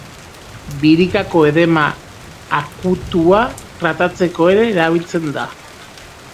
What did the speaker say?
Birikako edema akutua tratatzeko ere erabiltzen da.